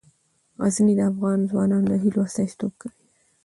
غزني د افغان ځوانانو د هیلو استازیتوب کوي.